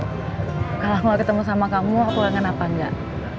kalau mau ketemu sama kamu aku kangen apa enggak